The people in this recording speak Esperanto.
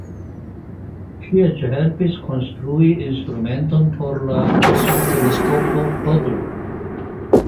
Ŝi eĉ helpis konstrui instrumenton por la Kosmoteleskopo Hubble.